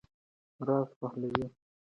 رضا پهلوي د جلاوطنۍ ژوند تېروي.